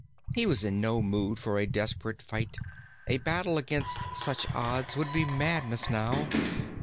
He was in no mood for a desperate fight. A battle against such odds would be madness now.